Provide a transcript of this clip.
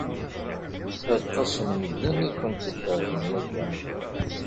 Aṭas n medden i kent-ikeṛhen ya kan.